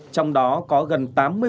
trong đó có gần tám mươi